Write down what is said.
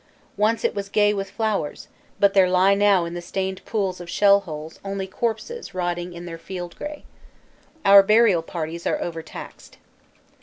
Once it was gay with flowers but there lie now in the stained pools of shell holes only corpses rotting in their field gray. Our burial parties are over taxed.